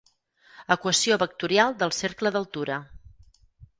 Equació vectorial del Cercle d'Altura.